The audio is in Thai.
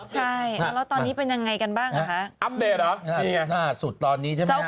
ใช่แล้วตอนนี้เป็นยังไงกันบ้างอ่ะคะอัพเดรัสนี่ไงล่าสุดตอนนี้ใช่ไหมฮ